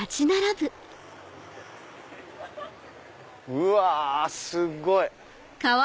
うわすっごい！